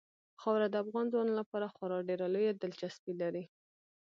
خاوره د افغان ځوانانو لپاره خورا ډېره لویه دلچسپي لري.